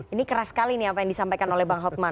ini keras sekali nih apa yang disampaikan oleh bang hotman